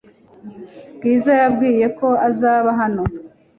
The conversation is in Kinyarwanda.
Bwiza yambwiye ko uzaba hano .